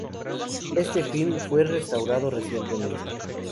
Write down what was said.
Este film fue restaurado recientemente.